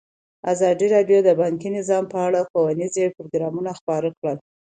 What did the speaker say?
ازادي راډیو د بانکي نظام په اړه ښوونیز پروګرامونه خپاره کړي.